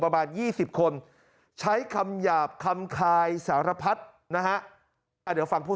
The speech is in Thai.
ประมาณ๒๐คนใช้คำหยาบคำคายสารพัดนะฮะเดี๋ยวฟังผู้